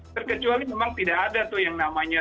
terkecuali memang tidak ada tuh yang namanya